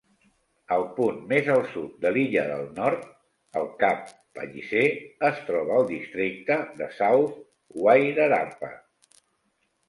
El punt més al sud de l'Illa del Nord, el Cap Palliser es troba al Districte de South Wairarapa.